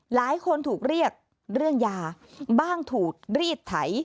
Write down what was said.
หลายคนถูกเรียกเรื่องยาบ้างถูกรีดไถ